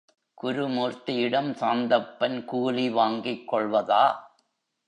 குருமூர்த்தியிடம் சாந்தப்பன் கூலி வாங்கிக் கொள்வதா?